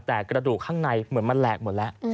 แต่กระดูกข้างในเหมือนมันแหลกหมดแล้ว